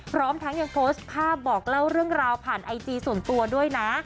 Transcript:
พร้อมทั้งยังโพสต์ภาพบอกเล่าเรื่องราวผ่านไอจีส่วนตัวด้วยนะ